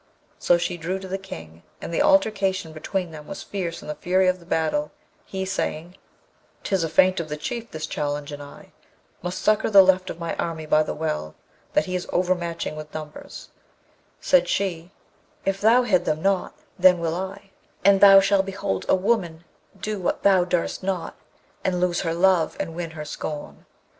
So she drew to the King, and the altercation between them was fierce in the fury of the battle, he saying, ''Tis a feint of the Chief, this challenge; and I must succour the left of my army by the well, that he is overmatching with numbers'; and she, 'If thou head them not, then will I, and thou shalt behold a woman do what thou durst not, and lose her love and win her scorn.'